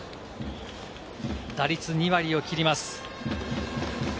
打率２割を切ります。